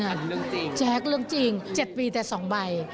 เรื่องจริงแจ๊คเรื่องจริง๗ปีแต่๒ใบ